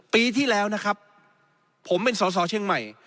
ปีที่แล้วนะครับผมเป็นสอสอเชียงใหม่